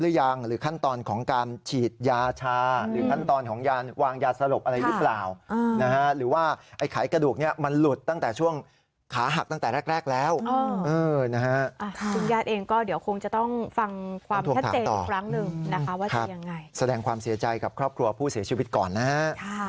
หรือว่าไอ้กระดูกเนี่ยมันหลุดตั้งแต่ช่วงขาหักตั้งแต่แรกแล้วเดี๋ยวคงจะต้องฟังความถ่วงถามต่ออีกครั้งหนึ่งนะคะว่าจะยังไงแสดงความเสียใจกับครอบครัวผู้เสียชีวิตก่อนนะฮะ